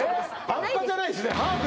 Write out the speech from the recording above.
ハンパじゃないですね